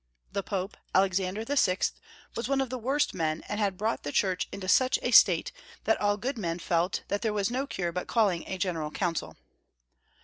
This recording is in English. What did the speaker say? The Pope, Alexander VI., was 262 Toung Folks^ Sistortf of Q ermany. one of the worst of^men, and had brought the Church into such a state, that all good men felt that there was no cure but calling a General Coun cil.